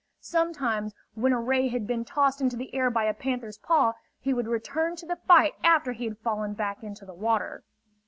Sometimes when a ray had been tossed into the air by a panther's paw, he would return to the fight after he had fallen back into the water.